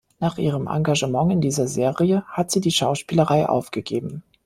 Nach ihrem Engagement in dieser Serie hat sie die Schauspielerei aufgegeben.